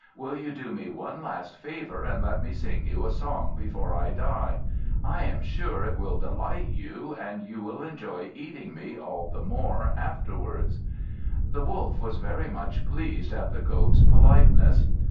Will you do me one last favour, and let me sing you a song before I die? I am sure it will delight you, and you will enjoy eating me all the more afterwards." The Wolf was very much pleased at the Goat's politeness.